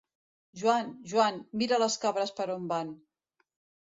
Joan, Joan, mira les cabres per on van!